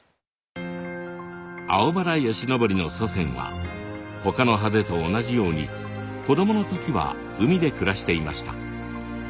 アオバラヨシノボリの祖先はほかのハゼと同じように子供の時は海で暮らしていました。